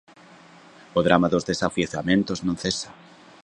O drama dos desafiuzamentos non cesa.